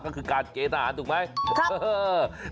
ก็คือการเกณฑ์ทหารถูกไหมครับฮ่า